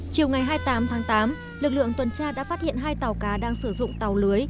chiều ngày hai mươi tám tháng tám lực lượng tuần tra đã phát hiện hai tàu cá đang sử dụng tàu lưới